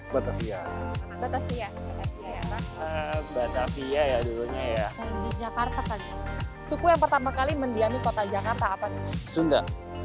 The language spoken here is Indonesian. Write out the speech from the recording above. batavia batavia batavia ya dulunya ya di jakarta kan suku yang pertama kali mendiami kota jakarta apa nih sunda